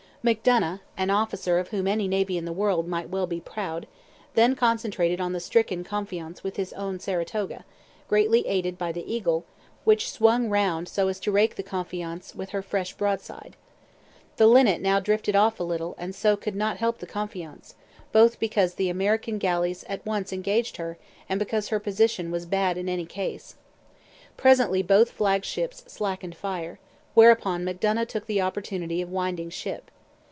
Macdonough, an officer of whom any navy in the world might well be proud, then concentrated on the stricken Confiance with his own Saratoga, greatly aided by the Eagle, which swung round so as to rake the Confiance with her fresh broadside. The Linnet now drifted off a little and so could not help the Confiance, both because the American galleys at once engaged her and because her position was bad in any case. Presently both flagships slackened fire; whereupon Macdonough took the opportunity of winding ship.